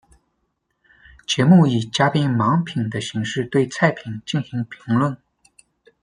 节目以嘉宾盲品的形式对菜品进行评论。